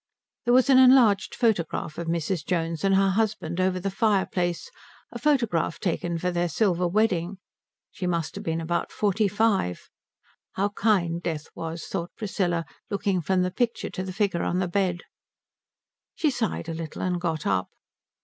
There was an enlarged photograph of Mrs. Jones and her husband over the fireplace, a photograph taken for their silver wedding; she must have been about forty five; how kind Death was, thought Priscilla, looking from the picture to the figure on the bed. She sighed a little, and got up.